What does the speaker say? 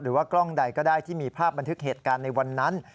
กล้องใดก็ได้ที่มีภาพบันทึกเหตุการณ์ในวันนั้น